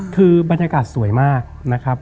คือบรรยากาศสวยมากนะครับ